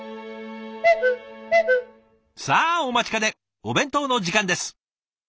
さあお待ちかねお弁当の時間です。